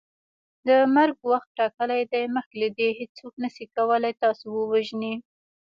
د مرګ وخت ټاکلی دی مخکي له دې هیڅوک نسي کولی تاسو ووژني